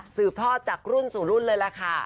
สืบทอดจากรุ่นสู่รุ่นเลยล่ะค่ะ